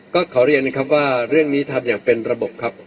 ก็ขอเรียนนะครับว่าเรื่องนี้ทำอย่างเป็นระบบครับ